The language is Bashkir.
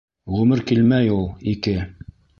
Ғүмер килмәй ул ике.